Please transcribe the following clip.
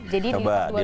jadi dilipat dua dulu